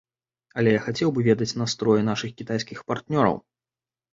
Але я хацеў бы ведаць настроі нашых кітайскіх партнёраў.